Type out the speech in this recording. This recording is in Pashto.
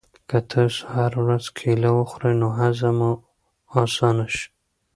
که تاسو هره ورځ کیله وخورئ نو هضم به مو اسانه شي.